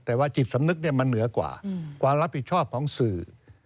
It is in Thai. แต่ว่าจิตสำนึกมันเหนือกว่าความรับผิดชอบของสื่อ